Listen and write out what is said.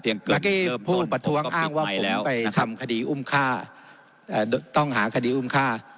เมื่อกี้ผู้ประท้วงอ้างว่าผมไปทำคดีอุ้มฆ่าต้องหาคดีอุ้มฆ่า